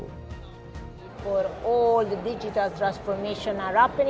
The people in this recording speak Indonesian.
untuk semua perubahan digital yang berlaku sekarang